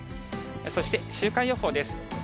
そして週間予報です。